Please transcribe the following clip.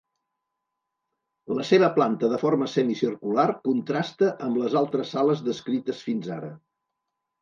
La seva planta de forma semicircular contrasta amb les altres sales descrites fins ara.